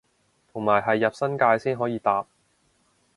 同埋係入新界先可以搭